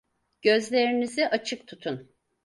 Gözlerinizi açık tutun.